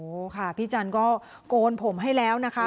โอ้โหค่ะพี่จันก็โกนผมให้แล้วนะคะ